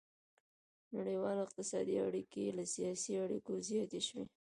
نړیوالې اقتصادي اړیکې له سیاسي اړیکو زیاتې شوې